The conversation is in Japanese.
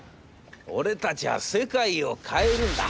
俺たちは世界を変えるんだ』。